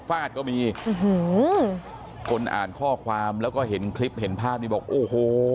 ฟาดก็มีคนอ่านข้อความแล้วก็เห็นคลิปเห็นภาพนี้บอกโอ้โห